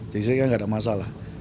jadi ini kan gak ada masalah